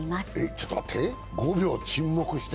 ちょっと待って。